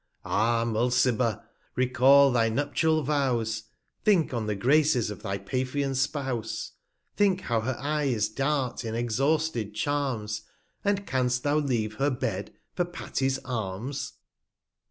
Ah Mulciber! recall thy nuptial Vows, 245 Think on the Graces of thy Taphian Spouse, Think how her Eyes dart inexhausted Charms, And canst thou leave her Bed for Tatty\ Arms?